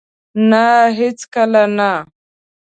نه! هیڅکله نه